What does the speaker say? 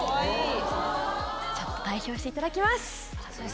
代表していただきます。